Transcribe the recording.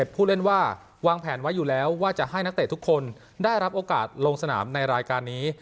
ผู้เล่นว่าวางแผนไว้อยู่แล้วว่าจะให้นักเตะทุกคนได้รับโอกาสลงสนามในรายการนี้